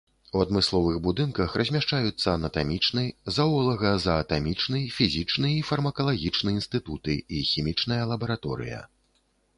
У адмысловых будынках размяшчаюцца анатамічны, заолага-заатамічны, фізічны і фармакалагічны інстытуты і хімічная лабараторыя.